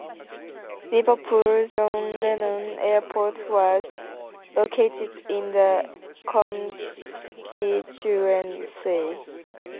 Liverpool John Lennon Airport was located in the constituency.